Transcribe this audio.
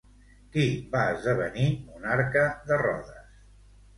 Qui va esdevenir monarca de Rodes?